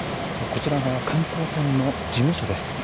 こちらが観光船の事務所です。